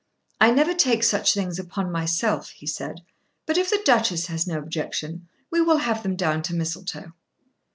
"I never take such things upon myself," he said, "but if the Duchess has no objection, we will have them down to Mistletoe."